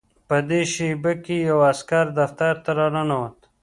په دې شېبه کې یو عسکر دفتر ته راننوت